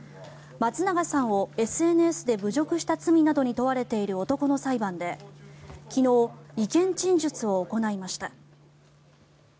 松永さんをＳＮＳで侮辱した罪などに問われている男の裁判で昨日、意見陳述を行いました。